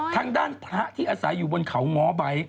ทางด้านพระที่อาศัยอยู่บนเขาง้อใบ